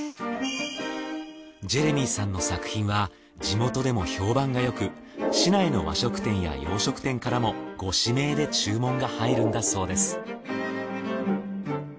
ジェレミーさんの作品は地元でも評判がよく市内の和食店や洋食店からもご指名で注文が入るんだそうです。